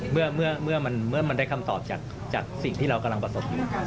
เมื่อมันได้คำตอบจากสิ่งที่เรากำลังประสบอยู่